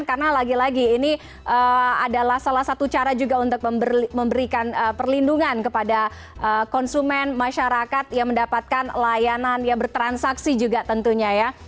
karena lagi lagi ini adalah salah satu cara juga untuk memberikan perlindungan kepada konsumen masyarakat yang mendapatkan layanan yang bertransaksi juga tentunya ya